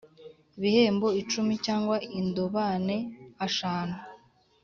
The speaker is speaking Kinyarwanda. ibihembo icumi cyangwa indobane ashanu